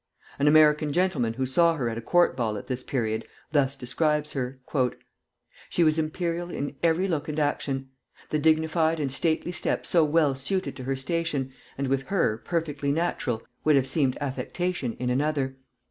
An American gentleman who saw her at a court ball at this period thus describes her: "She was imperial in every look and action. The dignified and stately step so well suited to her station, and with her perfectly natural, would have seemed affectation in another.